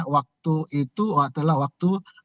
waktu itu adalah waktu